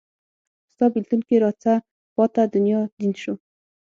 ستا بیلتون کې راڅه پاته دنیا دین شو